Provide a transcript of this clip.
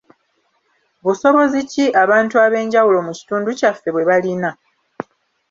Busobozi ki abantu ab’enjawulo mu kitundu kyaffe bwe balina?